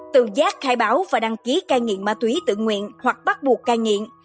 tự giác khai báo và đăng ký cây nghiện ma túy tự nguyện hoặc bắt buộc cây nghiện